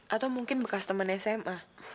atau mungkin bekas teman sma